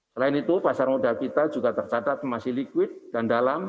selain itu pasar modal kita juga tercatat masih liquid dan dalam